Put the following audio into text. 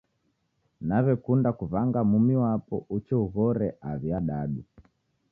Nawekunda kuw'anga mumi wapo uche ughore aw'i adadu